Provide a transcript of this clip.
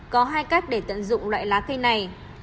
có hai cách để tận dụng loại lá cây này